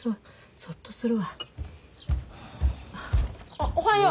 あおはよう。